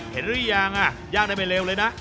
เห็นหรือยังยากได้ไม่เร็วเลยนะ